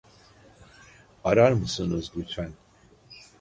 Arar mısınız lütfen